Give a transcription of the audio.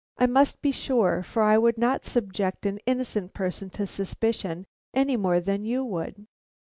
I must be sure, for I would not subject an innocent person to suspicion any more than you would."